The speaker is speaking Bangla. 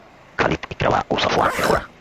খালিদ, ইকরামা ও সফওয়ান-এর ঘোড়া।